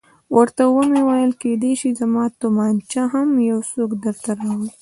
ورته ومې ویل کېدای شي زما تومانچه هم یو څوک درته راوړي.